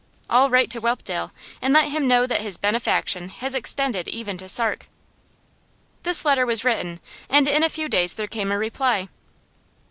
I'll write to Whelpdale, and let him know that his benefaction has extended even to Sark.' This letter was written, and in a few days there came a reply.